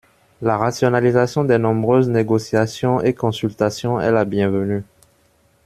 La rationalisation des nombreuses négociations et consultations est la bienvenue.